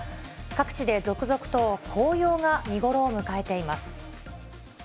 各地で続々と紅葉が見頃を迎えています。